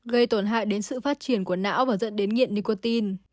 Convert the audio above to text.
gây tổn hại đến sự phát triển của não và dẫn đến nghiện nicotin